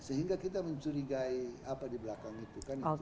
sehingga kita mencurigai apa di belakang itu